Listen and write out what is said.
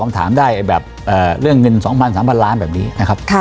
คำถามได้แบบเอ่อเรื่องเงินสองพันสามพันล้านแบบนี้นะครับค่ะ